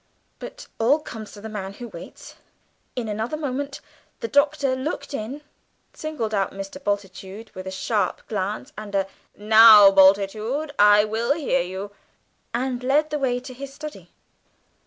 But all comes to the man who waits. In another moment the Doctor looked in, singled out Mr. Bultitude with a sharp glance, and a, "Now, Bultitude, I will hear you!" and led the way to his study.